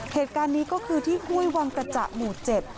เหตุการณ์นี้ก็คือที่ห้วยวังกระจ่าหมู่เจ็ด